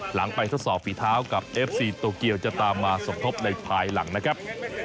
หลังไปทดสอบฝีเท้ากับเอฟซีโตเกียวจะตามมาสมทบในภายหลังนะครับ